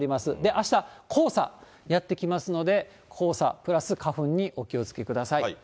あした、黄砂やって来ますので、黄砂プラス花粉にお気をつけください。